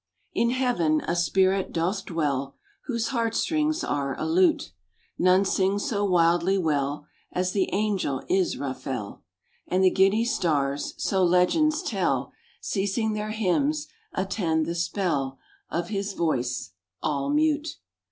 IN Heaven a spirit doth dwell Whose heart strings are a lute; None sing so wildly well As the Angel Israfel, And the giddy stars (so legends tell), Ceasing their hymns, attend the spell Of his voice, all mute.